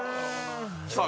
さあ